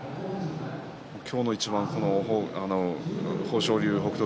今日の一番豊昇龍、北勝